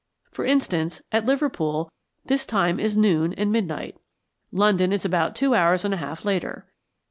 For instance, at Liverpool this time is noon and midnight. London is about two hours and a half later.